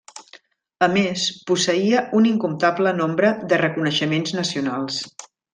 A més, posseïa un incomptable nombre de reconeixements nacionals.